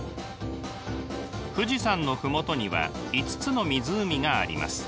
富士山の麓には５つの湖があります。